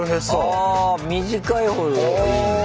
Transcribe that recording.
あ短いほどいいんだ。